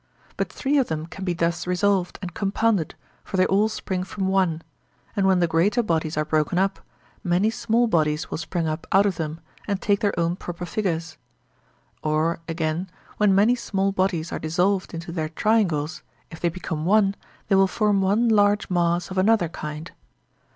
But three of them can be thus resolved and compounded, for they all spring from one, and when the greater bodies are broken up, many small bodies will spring up out of them and take their own proper figures; or, again, when many small bodies are dissolved into their triangles, if they become one, they will form one large mass of another kind.